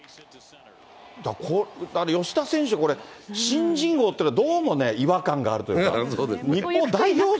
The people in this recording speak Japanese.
だから吉田選手、これ、新人王っていうのはどうもね、違和感があそうですね。